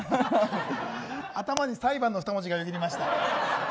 頭に裁判の２文字がよぎりました。